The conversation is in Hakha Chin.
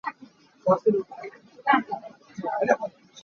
Rua kan den i vam chonnak ah kan per ter.